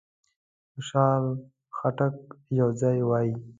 خوشحال خټک یو ځای وایي.